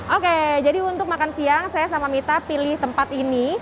oke jadi untuk makan siang saya sama mita pilih tempat ini